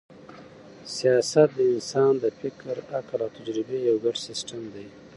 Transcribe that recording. سیاست د انسان د فکر، عقل او تجربې یو ګډ سیسټم دئ.